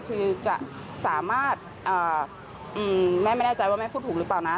คือจะสามารถแม่ไม่แน่ใจว่าแม่พูดถูกหรือเปล่านะ